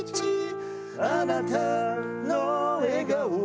「あなたの笑顔」